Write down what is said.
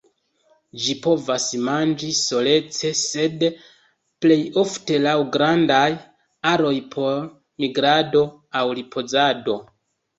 Ĝi povas manĝi solece sed plej ofte laŭ grandaj aroj por migrado aŭ ripozado.